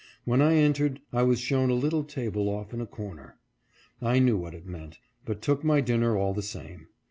When I entered I was shown a little table off in a corner. I knew what it meant, but took my dinner all the same.